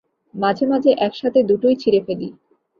মাঝেমাঝে একসাথে দুটোই ছিড়ে ফেলে।